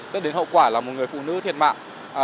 dẫn đến hậu quả là một người phụ nữ thiệt mạng